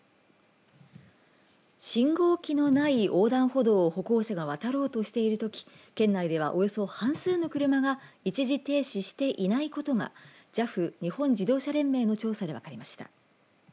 信号機のない横断歩道を歩行者が渡ろうとしているとき県内では、およそ半数の車が一時停止していないことがＪＡＦ、日本自動車連盟の調査で分かりました。